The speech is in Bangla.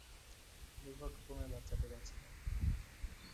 দুর্ভাগ্যক্রমে, বাচ্চাটি বাঁচেনি।